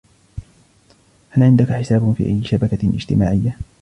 هل عندك حساب في أي شبكة اجتماعية ؟